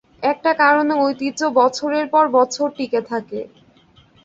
একটা কারণে ঐতিহ্য বছরের পর বছর টিকে থাকে।